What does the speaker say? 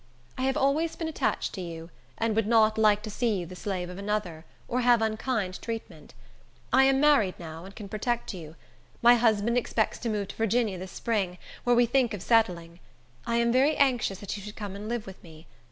I have always been attached to you, and would not like to see you the slave of another, or have unkind treatment. I am married now, and can protect you. My husband expects to move to Virginia this spring, where we think of settling. I am very anxious that you should come and live with me.